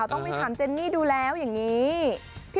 ต้องไปถามเจนนี่ดูแล้วอย่างนี้